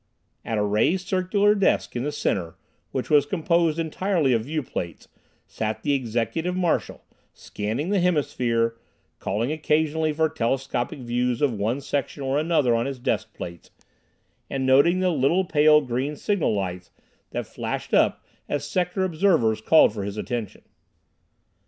At a raised circular desk in the center, which was composed entirely of viewplates, sat the Executive Marshal, scanning the hemisphere, calling occasionally for telescopic views of one section or another on his desk plates, and noting the little pale green signal lights that flashed up as Sector Observers called for his attention.